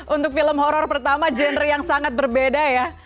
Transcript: untuk film horror pertama genre yang sangat berbeda ya